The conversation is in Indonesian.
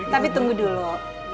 tapi tunggu dulu